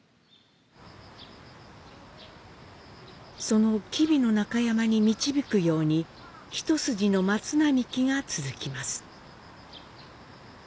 その吉備の中山に導くように一筋の松並木が続きます。